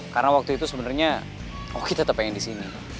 karena waktu itu sebenernya oki tetep pengen disini